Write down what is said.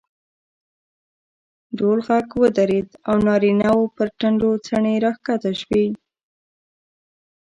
ډول غږ ودرېد او نارینه وو پر ټنډو څڼې راکښته شوې.